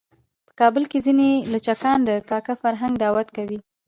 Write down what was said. په کابل کې ځینې لچکان د کاکه فرهنګ دعوه کوي.